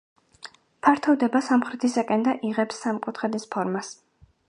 ფართოვდება სამხრეთისაკენ და იღებს სამკუთხედის ფორმას.